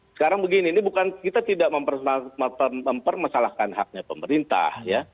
sekarang begini ini bukan kita tidak mempermasalahkan haknya pemerintah ya